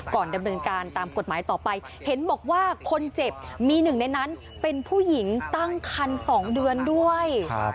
ก่อนดำเนินการตามกฎหมายต่อไปเห็นบอกว่าคนเจ็บมีหนึ่งในนั้นเป็นผู้หญิงตั้งคัน๒เดือนด้วย